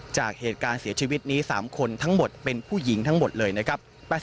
จากเหตุการณ์เสียชีวิตนี้๓คนทั้งหมดเป็นผู้หญิงทั้งหมดเลยนะครับ